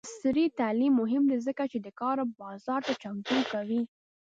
عصري تعلیم مهم دی ځکه چې د کار بازار ته چمتو کوي.